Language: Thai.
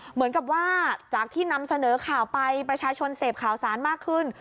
เหมือนกับว่าจากที่นำเสนอข่าวไปประชาชนเสพข่าวสารมากขึ้น